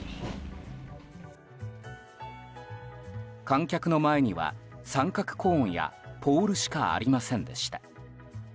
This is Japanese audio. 観客の前には、三角コーンやポールしかありませんでした。